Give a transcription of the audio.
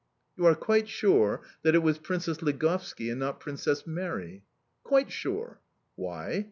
"You are quite sure that it was Princess Ligovski... and not Princess Mary?"... "Quite sure." "Why?"